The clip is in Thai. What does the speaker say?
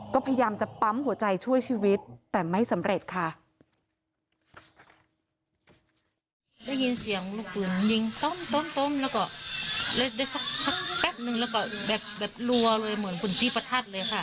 ก็พยายามจะปั๊มหัวใจช่วยชีวิตแต่ไม่สำเร็จค่ะ